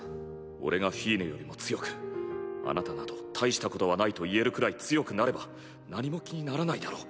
俺がフィーネよりも強くあなたなど大したことはないと言えるくらい強くなれば何も気にならないだろ。